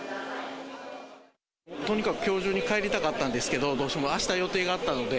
とにかく、きょう中に帰りたかったんですけど、どうしても、あした予定があったので。